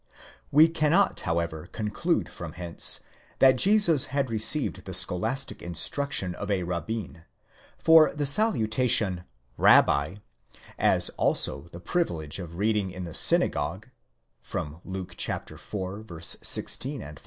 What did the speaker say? We cannot, however, conclude from hence that Jesus had received the scholastic instruction of a rabbin ;? for the salutation Rabbi, as also the privilege of reading in the synagogue (Luke iv. 16 ff.)